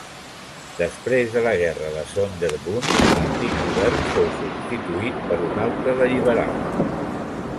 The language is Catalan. Després de la guerra de Sonderbund, l'antic govern fou substituït per un altre de liberal.